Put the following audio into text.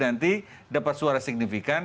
nanti dapat suara signifikan